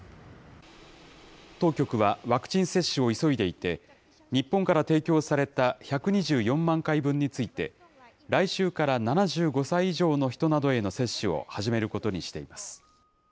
当局はワクチン接種を急いでいて、日本から提供された１２４万回分について、来週から７５歳以上の人などへの接種を始めることにしています。